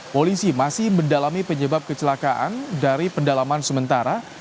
polisi masih mendalami penyebab kecelakaan dari pendalaman sementara